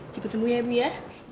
ciput semua ya ibu ya